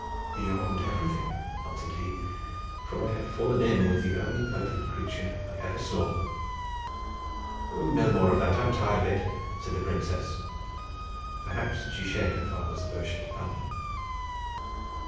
"Beyond everything," answered he; "for I have fallen in with the only perfect creature I ever saw." "No more of that: I am tired of it," said the princess. Perhaps she shared her father's aversion to punning.